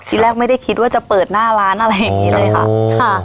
ทีแรกไม่ได้คิดว่าจะเปิดหน้าร้านอะไรอย่างนี้เลยค่ะ